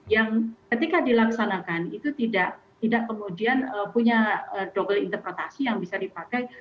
yang ketika dilaksanakan itu tidak kemudian punya double interpretasi yang bisa dipakai